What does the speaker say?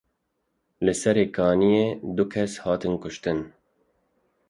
Li SerêKaniyê du kes hatin kuştin.